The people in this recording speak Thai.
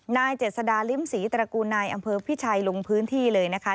นายเจษดาลิ้มศรีตระกูลนายอำเภอพิชัยลงพื้นที่เลยนะคะ